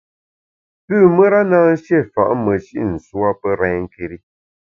Pü mùra na shié fa’ meshi’ nswa pe renké́ri.